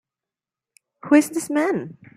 Who is this man?